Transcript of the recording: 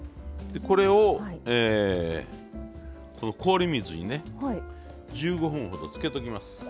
これをこの氷水にね１５分ほどつけときます。